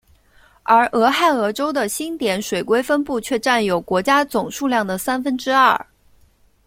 而俄亥俄州的星点水龟分布却占有国家总数量的三分之二。